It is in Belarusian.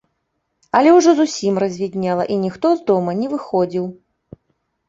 Але ўжо зусім развіднела, і ніхто з дома не выходзіў.